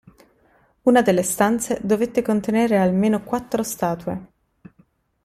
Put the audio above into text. Una delle stanze dovette contenere almeno quattro statue.